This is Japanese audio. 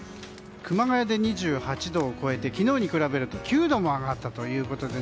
熊谷で２８度を超えて昨日に比べると９度も上がったということで。